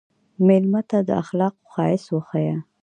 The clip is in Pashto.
مېلمه ته د اخلاقو ښایست وښیه.